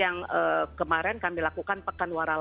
yang kemarin kami lakukan pekan warala